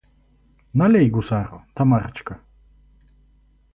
Налей гусару, Тамарочка!